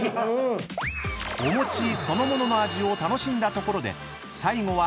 ［おもちそのものの味を楽しんだところで最後はアレンジレシピ］